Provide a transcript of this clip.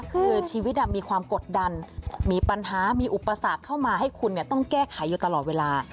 คือชีวิตมีความกดดันมีปัญหามีอุปสรรคเข้ามาให้คุณต้องแก้ไขอยู่ตลอดเวลา